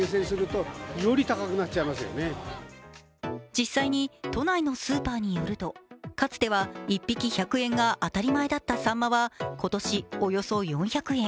実際に都内のスーパーによると、かつては１匹１００円が当たり前だったさんまは今年およそ４００円。